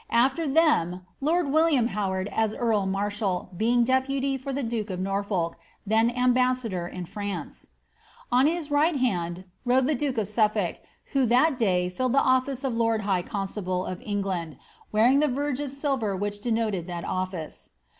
After them lord William Howard as earl marshal being deputy for the duke of Norfolk, then ambassador in Franc^. On his r^t hand rode the duke of Suffolk, who that day filled the office of lord high constable * of England, bearing the verge of silver which de noted that office.''